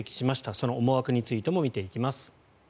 その思惑についても見ていきます。